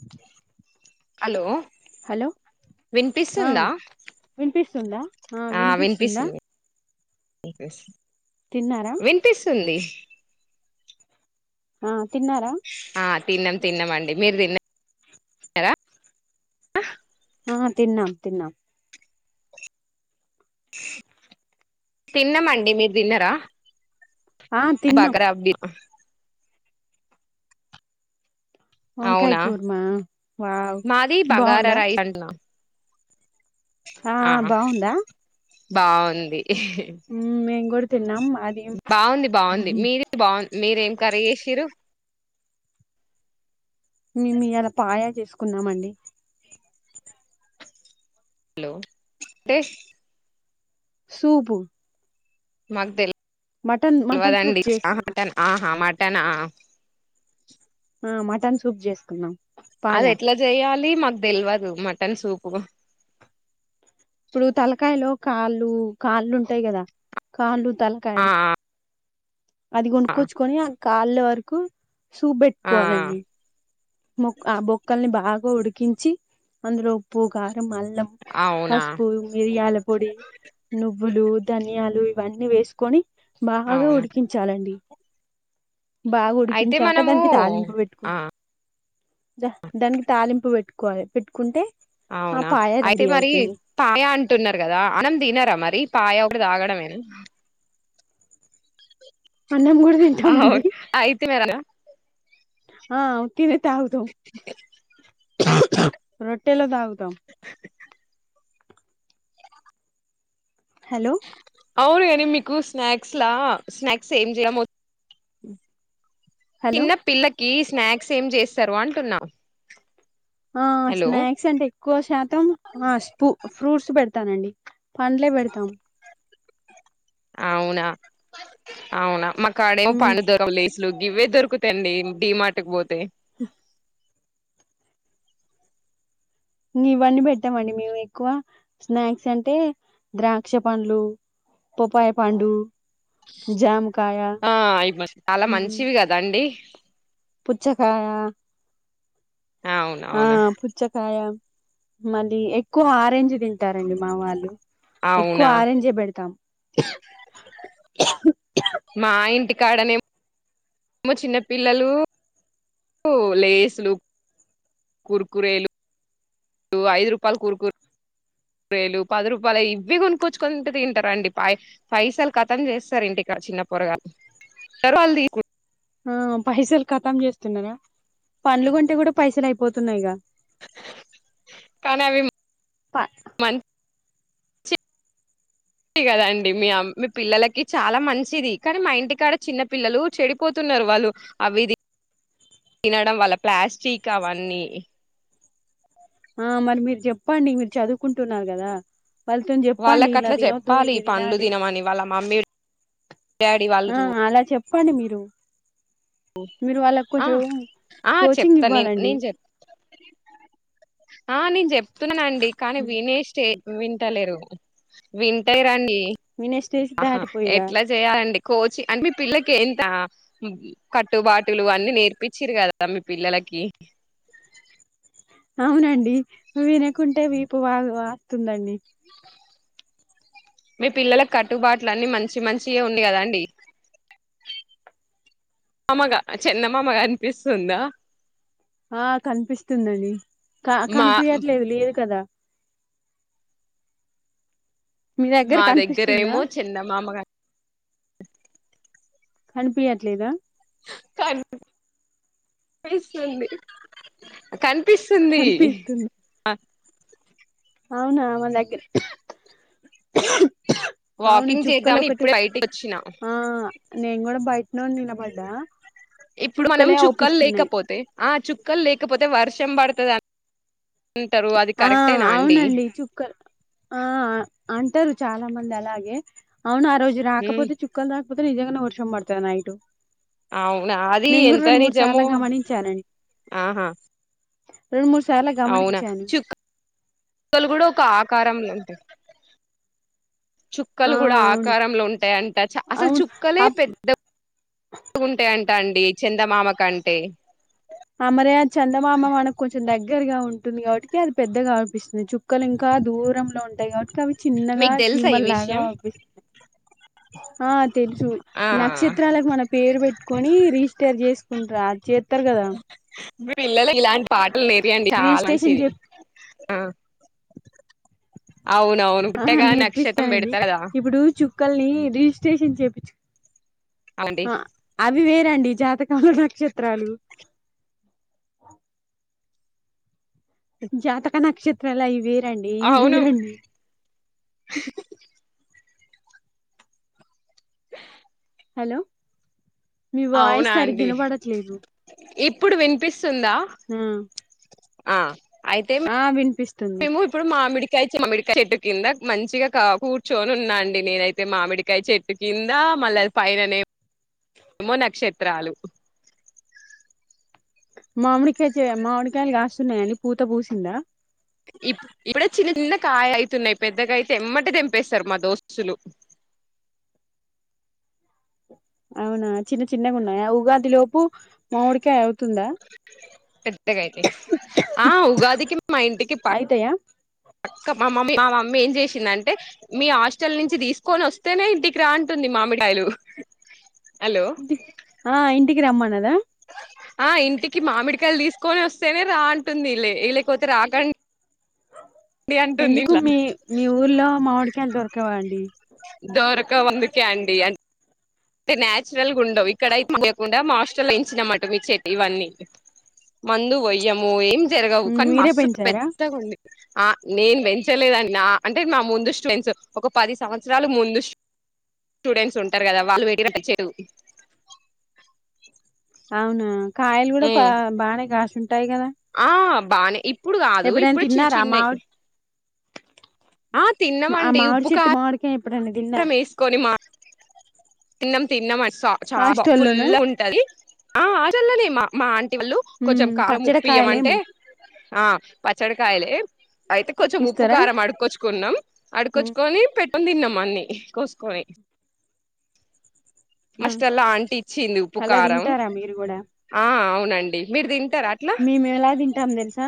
క హలో ఆ వినిపిస్తుందా వినిపిస్తుందా ఆ వినిపిస్తుందా వినిపిస్తుంది తిన్నారా వినిపిస్తుంది ఆ తిన్నారా ఆ తిన్నాం తిన్నామ అండి మీరు తిన్న ఆ తిన్నాం తిన్నాం తిన్నామండి మీరు తిన్నరా ఆ తిన్నాం బగరాబి వంకాయ అవునా కూర్మా వావ్ మాది బంగార బాగుందా [unintelligible] ఆ బాగుందా బాగుంది నమ్మ బాగుంది బాగుంది మీరే బాగు మీరేం ఖర్రీ చేసిరు మమి అలా పాయా చేసుకున్నమండి హలో సూపు మాకు తె మటన్ మటన్ సూప్ తెలవదండి మాట చేసుకున్నాం ఆహా మాట తన ఆ మటన్ సూప్ చేసుకున్నాం అది పాయా ఎట్లా చేయాలి మాకు తెలియదు మటన్ సూపు ఇప్పుడు తలకాయలో కాళ్ళు కాళ్ళు ఉంటాయి కదా కాళ్ళు తలకాయ ఆ అది కొనుకొచ్చుకొని కాళ్ళ వరకు ఆ చూబెట్టుకోవాలని మొ ఆ బొక్కల్ని బాగా ఉడికించి అందులో ఉప్పుగా అల్లం అవునా పసుపు మిరియాల పొడి నువ్వులు ధనియాలు ఇవన్నీ వేసుకొని బాగా అవునా ఉడికించాలండి బాగా అయితే ఉడికించాక మనము దానికి తాలింపు పెట్టుకో ఆ దానికి తాలింపు పెట్టుకోవాలి పెట్టుకుంటే ఆ అవునా పాయ అయితే రెడీ మరి అవుతుంది పాయ అంటున్నారు కదా అన్నం తినారా మరి పాయ అప్పుడు తాగడమేన అన్నం కూడా తింటామండి అవును అయితే మరి అ తనే తగుత రోట్టెలో తగుతం హలో అవును మీకు స్నాక్స్ లా స్నాక్స్ ఏం చేయమ హలో చిన్న పిల్లకి స్నాక్స్ ఏం చేస్తారు అంటున్నావు ఆ స్నాక్స్ అంటే ఎక్కువ శాతం ఆ స్పుూ ఫ్రూట్స్ పెడతానండి పండ్లే పెడతాం అవునా అవునా మాక్కడం పని దూరం లేసులు ఇవ్వే దొరుకుతాండి డిమార్ట్‌కి పోతే [unintelligible] ఇవన్నీ పెట్టామండి మేము ఎక్కువ స్నాక్స్ అంటే ద్రాక్ష పండ్లు పొపాయ పండు జమ్ ఆ ఇవి చాలా మంచివి కదాండి పుచ్చకాయ అవును ఆ అవును పుచ్చకాయ మళ్ళీ ఎక్కువ ఆరెంజ్ తింటారండి మా వాళ్ళు ఎక్కువ అవునా ఆరెంజే పెడతాం [unintelligible] మా ఇంటి కాడనే మో చిన్న పిల్లలు [inaudible] లేసులు కుర్కురేలు [inaudible] ఐదు రూపాయలు కుర్‌కుర్ రేలు పది రూపాయలు ఇవి కొనుక్కొచ్చుకొంటు తింటారంండి పై పైసలు కతం చేస్తారు ఇంటి కా చిన్న పొరగాలు [unintelligible] ఆ పైసలు కతం చేస్తున్నారా పండ్లు కొంటే కూడా పైసలు అయిపోతున్నాయిగా కానీ అవి ప- [inaudible] మం [unintelligible] కదండి మీ మీ పిల్లలకి చాలా మంచిది కానీ మా ఇంటికాడ చిన్న పిల్లలు చెడిపోతున్నారు వాళ్లు అవి [unintelligible] తినడం వల్ల ప్లాస్టిక్ అవన్నీ ఆ మరి మీరు చెప్పండి మీరు చదువుకుంటున్నారు కదా వాళ్ళతోని చెప్పండి ఇలా వాళ్ళకట్లా తినొద్దు చెప్పాలి ఇవి పండ్లు తినాలి తినమని వాళ్ళ మమ్మీ డాడీ వాళ్లు జూ ప్పండి మీరు మీరు వాళ్ళకు ఆ కొంచెం ఆ కోచింగ్ చెప్తా నేను ఇవ్వాలండి నేను చె ఆ నేను చెప్తున్నానండి కానీ వినే స్టే వింటలేరు వింటైరని వినే ఆహా ఎట్లా జే అండి కోచి అంటే మీ పిల్లకి ఏంత కట్టుబాటులు అన్నీ నేర్పించిరు కదా మీ పి ల్లలకి అవునండి వినకుంటే వీపు వాగా వత్తుందండి మీ పిల్లల కట్టుబాట్ల అన్నీ మంచి మంచియే ఉంది కదండి మామగా చందమామ కనిపిస్తుందా ఆ కనిపిస్తుందండి క మా కనిపియట్లేదు లేదు కదా మీ దగ్గర మా కనిపిస్తుందా దగ్గరేమో చందమామ కనిపియ్యట్లేదా కాన్ పిస్తుంది కనిపిస్తుంది కనిపిస్తుంది అవునా మా దగ్గర అవును వాకింగ్ చుక్కలు చేద్దామని ఒకటే ఇప్పుడే బయటికి వచ్చినా ఆ నేను కూడా బయ ఇప్పుడు మనం చుక్కలే చుక్కలు అవుపిస్తున్నాయి లేకపోతే ఆ చుక్కలు లేకపోతే వర్ష షం పడుతదా ఆ అవునండి చుక్కలు ఆ అంటారు చాలా మంది అలాగే అవును ఆరోజు ఉమ్ రాకపోతే చుక్కలు రాకపోతే నిజంగానే వర్షం పడుతది నైటు అవునా అది నేను గూడా ఎంత రెండు మూడు సార్లు నిజమో గమనించానం ఆహా రెండు మూడు సార్లు గమనిం చు [inaudible] క్కలు గూడా ఒక ఆకారంలో ఉంటాయి ఆ చుక్కలు గూడా అవును ఆకారంలో ఉంటాయంట అసలు అవును చుక్కలే అప్ పెద్ద గుంటాయంట అండి చందమామ కంటే అమరియా చందమమా మనకు దగ్గరగా ఉంటుంది కాబట్టి అది పెద్దగా అనిపిస్తుంది చుక్కలు ఇంకా దూరంలో ఉంటాయి కాబట్టి అవి చిన్నగా మీకు తెలుసా చీమ ఈ లాగా విషయం పంపిస్తయి ఆ తెలుసు ఆ నక్షత్రాలకు మన పేరు పెట్టుకొని రిజిస్టర్ చేసుకుంటారు చెతారు కదా పిల్లల ఇలాంటి పాటలు నేరయండి చాలా రిజిస్ట్రేషన్ మంచిధి చెప్ ఆ అవునవును ఆ పుట్టగానే నక్షత్రం నేర్పిస్తానండి పెడతారు కదా ఇప్పుడు చుక్కల్ని ర రిజిస్ట్రేషన్ చెపిన్చు అవునండి ఆ అది వేరు జాతకాల నక్షత్రాలు జాతక నక్షత్రలా ఇవేరండి అవును ఇవేరండి హలో మీ వాయిస్ అవునా సరిగ్గా అండి వినపడట్లేదు ఇప్పుడు వినిపిస్తుందా ఆ ఆ అయితే ఆ వినిపిస్త మేము ఇప్పుడు మామిడికాయ మామిడికాయ చెట్టు కింద మంచిగా కూర్చొని ఉన్నా అండి నేనైతే మామిడికాయ చెట్టు కింద కింద మళ్ళీ పైననేమో నక్షత్రాలు మామిడికాయ మామిడికాయలు కాస్తున్నాయండి పూత పూసిందా ఇ ఇప్పుడే చిన్న చిన్న కాయ అయితున్నాయి పెద్దగా అయితే ఎమ్మట తెంపేస్తారు మా దోస్తులు అవునా చిన్న చిన్నగా ఉన్నాయి ఉగాదిలోపు మామిడికాయ అవుతుందా పెద్దగ అయితాయ్ ఆ ఉగాదికి మా ఇంటికి ప అయితాయా పక్క మా మమ్మీ మా మమ్మీ ఏం చేసింది అంటే మీ హాస్టల్ నుంచి తీసుకొని వస్తేనే ఇంటికి రాంటుంది ని మామిడికాయలు హలో ఆ ఇంటికి రమ్మన్నారు ఆ ఇంటికి మామిడికాయలు తీసుకొని వస్తేనే రా అంటుందిలే లేకపోతే రాకండా ఎందుకు మీ మీ ఊర్లో మామిడికాయళ దొరకవా అండి దోరక వందు కండి అంటే అంటే నచురల్ గుండవు ఇక్కడ లేకుండా మా హస్ట వయించిన అన్నమాట మీ చెట్టు అన్నీ మందు వయ్యము ఏం జరగవు కానీ మీరే మస్సు పెంచారా పెద్దగా ఉండే ఆ నేను పెంచలేదండి అంటే నా ముందుస్తు పెంచ ఒక పది సంవత్సరాలు ముందుస్తు స్టూడెంట్స్ ఉంటారు కదా [unintelligible] అవునా కాయలు కూడా ఉమ్ బాగానే కస్తుఉంటాయి కదా ఆ బానే ఇప్పుడు కాదు ఎప్పుడైనా ఇప్పుడు తిన్నారా ఆ చిన్నచిన్నయి మామిడి ఆ ఆ తిన్నామండి మామిడి ఉప్పు కా చెట్టు మామిడికాయ ఎప్పుడైనా తిన్నారా కారం వేసుకొని మా తిన్నం తిన్నాం చాలా బా హాస్టల్లోనా పుల్లా ఉంటది ఆ చల్లలే మా [unintelligible] వాళ్ళు కొంచెం ఉమ్, కారం పచ్చడి ఉప్పి ఇయ్యమంటే కాయలేమో ఆ పచ్చడికాయలే అయితే కొంచెం ఉప్పు ఇస్తారా కారం అడుకొచ్చుకున్నాం ఉమ్, అడుకొచ్చుకొని పె పం తిన్నామ అన్ని కోసుకొని ఆ [unintelligible] ఆంటి ఇచ్చింది అలా ఉప్పుకారం తింటారా మీరు కూడా ఆ అవునండి మీరు ది మేము ఎలా తింటాము తెలుసా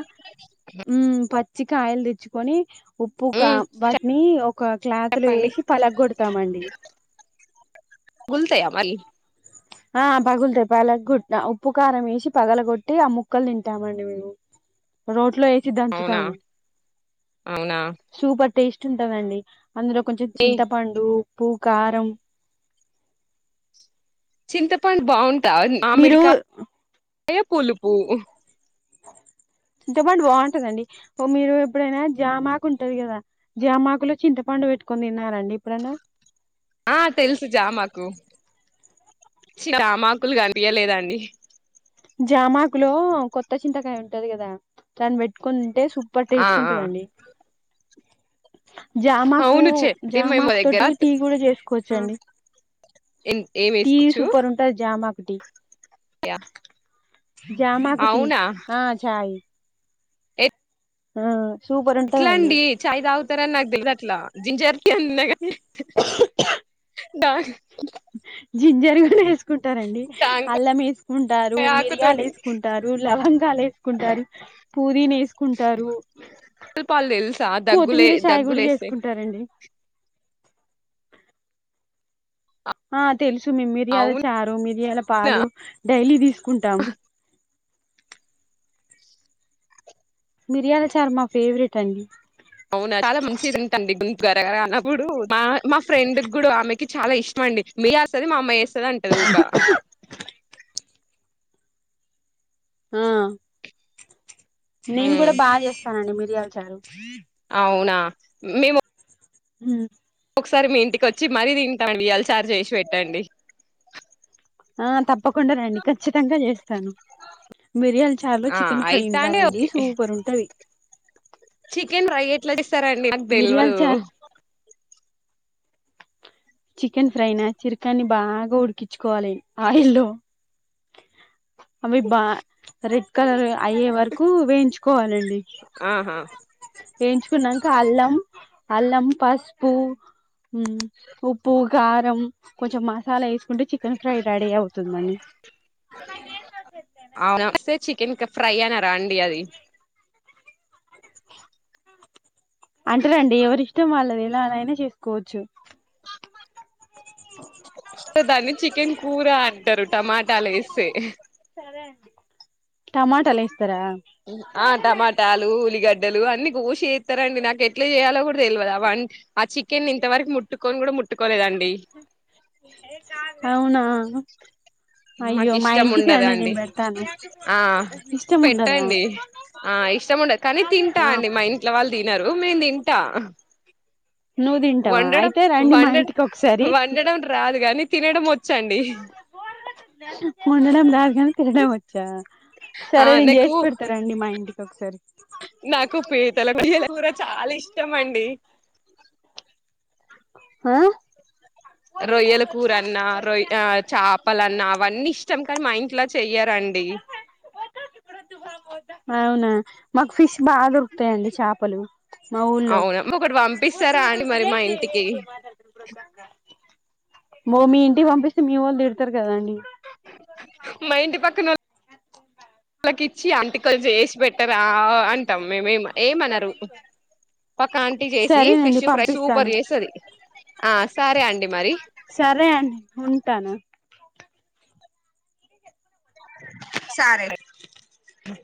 ఉ పచ్చిక ఆయిల్ తెచ్చుకొని ఉప్పు కా ఉమ్ వంటి ఒక క్లాతులు చెప్పండి వేసి పలగొడతామండి గుల్తయ మల్ ఆ పగులుతో పలట్టి ఉప్పు కారం వేసి పగల కొట్టి ఆ ముక్కలు తింటామండి మేము రోజ ఇట్లో వేసి అవునా దంచుతాము అవునా సూపర్ టేస్ట్ ఉంటందండి అందులో కొంచెం చింతపండు ఉప్పు కారం చింతపండు బాగుంటా మీరు మామిడికాయ పులుపు అ చింతపండు బాగుంటదండి మీరు ఎప్పుడైనా జామాకు ఉంటది కదా జామాకులో చింతపండు వేట్కొని తిన్నారా అండి ఇప్పుడన్న ఆ తెలుసు జామాకు చి జామాకులు కనిపియ్యలేదండి జామాకు లో కొత్త చింతకాయ ఉంటది కదా దాన్ని పెట్టుకుని తింటే సు సూపర్ ఆ టేస్ట్ ఆ ఉంటుదండి జామాకు అవును చెప్తే మేము జామాకు దగ్గర తోటి టీ కూడా చేసుకోవచ్చండి ఏం టీ వేసుకోవచ్చు సుపర్ ఉంటాది జామాకు టీ జామాకు టీ అవునా ఆ చాయి ఆ సూపర్ ఎట్లా ఉంటదండి అండి చాయ్ తాగుతారని నాకు తెలుదు అట్లా జింజర్ టీ అని ఇన్నగానీ డాగ్ జింజర్ కూడేస్ కుంటారండి అల్లం వేసుకుంటారు మిరియాలు ఆకుతోటి వేసుకుంటారు లవంగాలు వేసుకుంటారు పూదీని వేసుకుంటారు పాలు తెలుసా దగ్గులే కోత్తిమీర చాయ్ కూడా దగ్గులేస్తాయి చేసుకుంటారండి ఆ తెలుసు మేం మిరియాల అవునా చారు మిరియాల పాలు డైలీ తీసుకుంటాం మిరియాల చార్ మా ఫేవరెట్ అండి అవునా చాలా మంచిదింటండి గొంతు గరగనప్పుడు మా మా ఫ్రెండ్ కూడా ఆమెకి చాలా ఇష్టం అండి మీ లేస్తది మా అమ్మ వేస్తుంది అంటది ఉకా ఆ నేను కూడా బాగా చేస్తానండి మీరియాల చారు అవునా మేము ఉమ్ ఒకసారి మీ ఇంటికి వచ్చి మరీ తింటానండి మిరియాల చారు జేషి పెట్టండి ఆ తప్పకుండా రండి ఖచ్చితంగా చేస్తాను మిరియాల చార్లో ఆ చికెన్ ఫ్రై అయితాంటే ఉండాలండి ఓకే సూపర్ ఉంటుంది చికెన్ ఫ్రై ఎట్లా చేస్తారండి నాకు తెల్వదు చికెన్ ఫ్రైనా చిరకాని బాగా ఉడికించుకోవాలి ఆయిల్లో అవి బా రెడ్ కలర్ అయ్యే వరకు వేయించుకోవాలండి ఆహా వేయించుకునంకా అల్లం అల్లం పసుపు ఉమ్ ఉప్పు కారం కొంచం మసాలా వేసుకుంటే చికెన్ ఫ్రై రెడీ అ అవుతుందండి [unintelligible] చికెన్ ఫ్రై అనరా అండి అది అంటేరండి ఎవరి ఇష్టం వాళ్ళది ఎలా అలా అయినా చేసుకోవచ్చు దాన్ని చికెన్ కూర అంటారు టమాటాలు వేస్తే టమాటాలెస్ ఆ టమాటాలు ఉల్లిగడ్డలు అన్ని పూషి చేస్తారండి నాకు ఎట్లా చేయాలో కూడా తెలియదు అ ఆ చికెన్ ఇంతవరకు ముట్టుకొను కూడా ముట్ అవునా మాకు అయ్యో మా ఇష్టం ఇంటికి రండి ఉండదండి నేను పెడతాను ఆ ఇష్టం ఉండదా పెట్టండి ఆ ఇష్టము ఉండదు కానీ తింటా ఆ అండి మా ఇంట్లో వాళ్ళు తినరు మేను తింటా నువ్వు తింటావా వండడం అయితే రండి మా వండడం ఇంటికి ఒకసారి వండడం రాదు కాని తినడం వొచ్ వోడడం రాదు గానీ తినడం వచ్చా ఆ సరే నేను నాకు చేసి పెడతారండి మా ఇంటికోక్ నాకు పీతల రొయ్యల కూడా చాలా ఇష్టం అండి ఆ రొయ్యల కూర అన్నా రొయ్ ఆ చేపలన్నా అవన్నీ ఇష్టం కానీ మా ఇంట్లా చెయ్యారండి అవునా మాకు ఫిష్ బాగా దొరుకుతాయిండి చాపలు మా ఊర్లో అవునా ఒకటి వద్దు పంపిస్తారా వద్దు అండి మరి మా వెయిట్ ఇంటికి చెయ్ మో మీ ఇంటికి పంపిస్తే మీ వాళ్ళు తిడతారు కదా అండి మా ఇంటి పక్కన వాళ్ళకి చ్చి అంటికలు చేసి పెట్టరా అంటాం మేమేం ఏమన్నారు పక్కంట చేసి సరేనండి ఫిష్ ఫ్రై పంపిస్తాను సూపర్ చేస్తుది ఆ సరే అండి మరి సరే అండి ఉంటాను సారే